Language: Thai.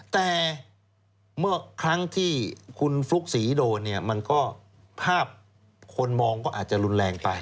แต่เมื่อครั้งที่คุณฟลุกษีโดนภาพคนมองก็อาจจะรุนแรงไป